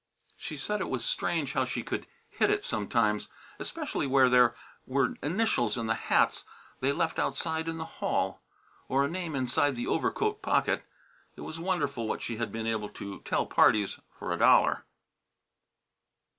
She said it was strange how she could "hit it" sometimes, especially where there were initials in the hats they left outside in the hall, or a name inside the overcoat pocket. It was wonderful what she had been able to tell parties for a dollar.